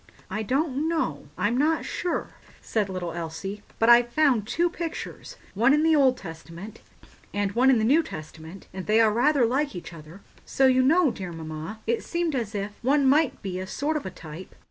"I don't know—I'm not sure," said little Elsie; "but I've found two pictures—one in the Old Testament and one in the New Testament—and they are rather like each other; so, you know, dear mamma, it seemed as if one might be a sort of a type."